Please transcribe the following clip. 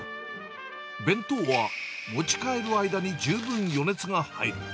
弁当は持ち帰る間に十分余熱が入る。